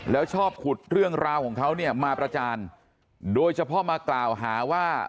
แล้วชอบขุดเรื่องราวของเขาเนี่ยมาประจานโดยเฉพาะมากล่าวหาว่า